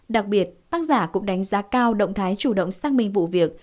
đặc biệt tác giả cũng đánh giá cao động thái chủ động xác minh vụ việc